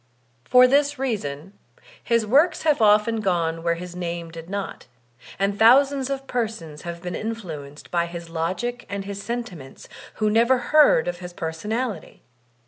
For this reason his works have often gone where his name did not, and thousands of persons have been in fluenced by his logic and his sentiments who never heard of hb personality.